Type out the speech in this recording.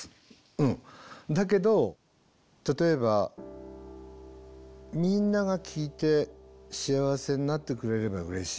だけど例えばみんなが聴いて幸せになってくれればうれしい。